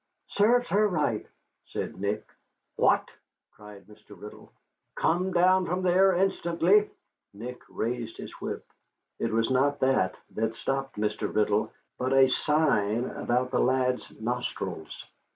"Serves her right," said Nick. "What!" cried Mr. Riddle. "Come down from there instantly." Nick raised his whip. It was not that that stopped Mr. Riddle, but a sign about the lad's nostrils.